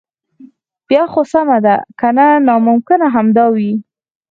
بیا خو سمه ده کنه ناممکن همدا وي.